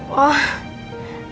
wah yaudah kalo gitu mas